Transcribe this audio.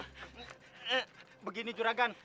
eh begini seragam